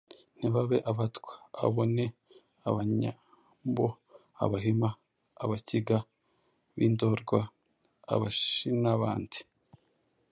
ntibabe Abatwa: abo ni Abanyambo, Abahima, Abakiga b'i Ndorwa, Abashin'abandi.